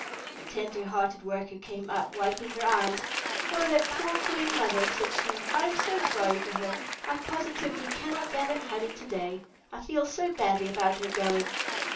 The tender hearted Worker came up wiping her eyes. "Oh, that poor Queen Mother!" said she. "I am so sorry for her. I positively cannot gather honey to day, I feel so badly about her going."